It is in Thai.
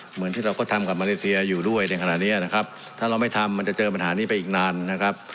เหมือนที่เราก็ทำกับมาเลเซียอยู่ด้วยในขณะนี้นะครับถ้าเราไม่ทำมันจะเจอปัญหานี้ไปอีกนานนะครับ